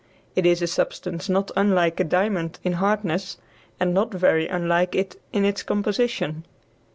It is a substance not unlike a diamond in hardness, and not very unlike it in its composition.